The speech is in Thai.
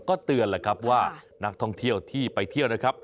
ก็เตือนแหละครับว่านักท่องเที่ยวที่ไปเที่ยวนะครับ